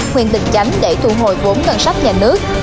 nguyên định chánh để thu hồi vốn ngân sách nhà nước